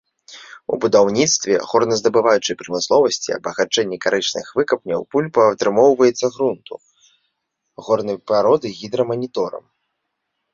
У будаўніцтве, горназдабываючай прамысловасці, абагачэнні карычных выкапняў пульпа атрымоўваецца грунту, горнай пароды гідраманіторам.